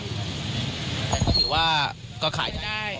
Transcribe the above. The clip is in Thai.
หรือว่าก็ขายได้